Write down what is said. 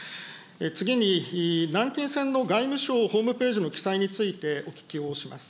次に、南京戦の外務省ホームページの記載についてお聞きをします。